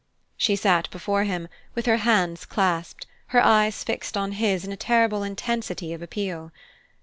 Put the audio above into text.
She sat before him with her hands clasped, her eyes fixed on his in a terrible intensity of appeal.